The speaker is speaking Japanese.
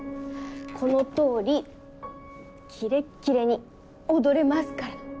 この通りキレッキレに踊れますから。